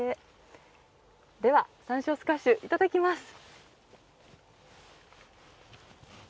サンショウスカッシュいただきます。